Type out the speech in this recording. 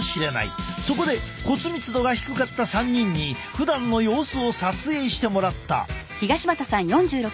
そこで骨密度が低かった３人にふだんの様子を撮影してもらった。